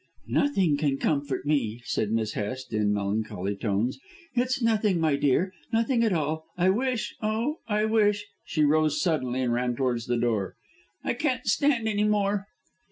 "Nothing can comfort me," said Miss Hest in melancholy tones; "it's nothing, my dear, nothing at all. I wish oh, I wish " She rose suddenly and ran towards the door. "I can't stand any more."